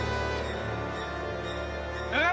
えっ？